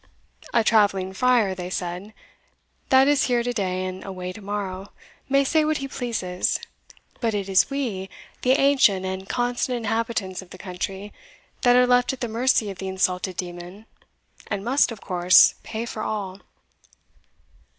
A travelling friar, they said, that is here to day and away to morrow, may say what he pleases: but it is we, the ancient and constant inhabitants of the country, that are left at the mercy of the insulted demon, and must, of course, pay for all.